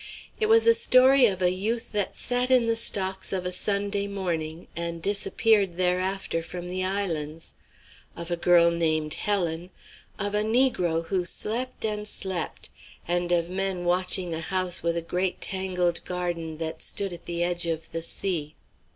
It was a story of a youth that sat in the stocks of a Sunday morning and disappeared thereafter from the islands; of a girl named Helen; of a negro who slept and slept, and of men watching a house with a great tangled garden that stood at the edge of the sea.